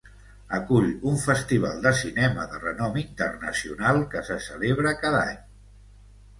Acull un festival de cinema de renom internacional que se celebra cada any.